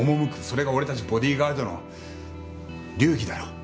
それが俺たちボディーガードの流儀だろ。